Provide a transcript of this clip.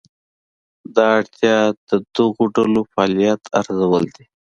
دا اړتیا د دغو ډلو فعالیت ارزول دي.